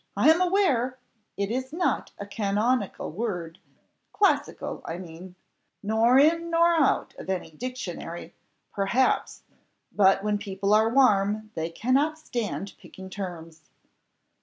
"I am aware it is not a canonical word classical, I mean; nor in nor out of any dictionary, perhaps but when people are warm, they cannot stand picking terms."